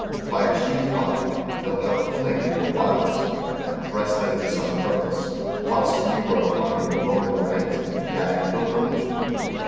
By G body, they'll have a fling at your wives, and breast them to some purpose, whilst you are upon your roaming rant and gadding pilgrimage.